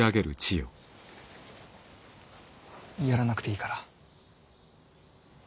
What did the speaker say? やらなくていいから。